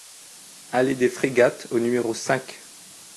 Allée des Frégates au numéro cinq